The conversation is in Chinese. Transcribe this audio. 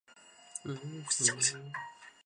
明太祖洪武二十四年改封云南。